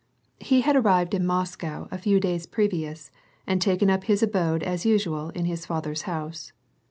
He had arrived in Moscow a few days previous, and taken up his abode as usual in his father's house.